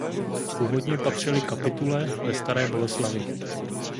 Původně patřily kapitule ve Staré Boleslavi.